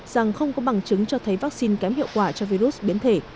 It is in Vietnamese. rằng không có bằng chứng cho thấy vaccine kém hiệu quả cho virus biến thể